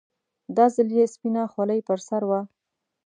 دا ځل يې سپينه خولۍ پر سر وه.